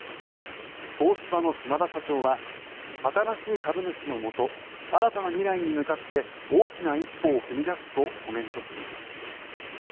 東芝の島田社長は新しい株主のもと新たな未来に向かって大きな一歩を踏み出すとコメントしています。